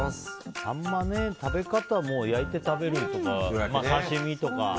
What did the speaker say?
サンマ、食べ方は焼いて食べるとか刺し身とか。